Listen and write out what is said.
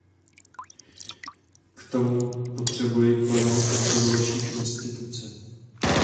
K tomu potřebují plnou podporu vaší instituce.